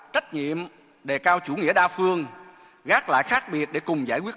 trách nhiệm đề cao chủ nghĩa đa phương gác lại khác biệt để cùng giải quyết